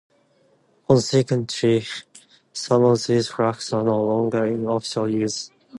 Consequently, some of these flags are no longer in official use.